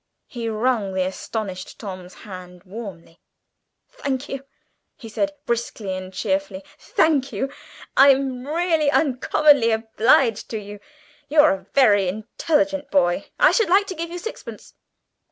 He wrung the astonished Tom's hand warmly; "Thank you," he said, briskly and cheerfully, "thank you. I'm really uncommonly obliged to you. You're a very intelligent boy. I should like to give you sixpence."